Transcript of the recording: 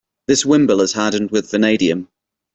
This wimble is hardened with vanadium.